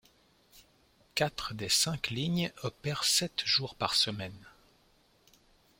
Quatre des cinq lignes opèrent sept jours par semaine.